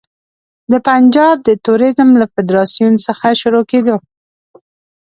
د پنجاب د توریزم له فدراسیون څخه شروع کېدو.